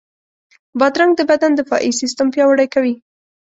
بادرنګ د بدن دفاعي سیستم پیاوړی کوي.